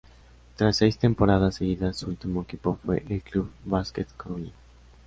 Tras seis temporadas seguidas, su último equipo fue el Club Basquet Coruña.